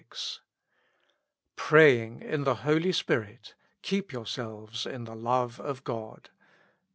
Praying in the Holy Spirit, keep yourselves in the love of God.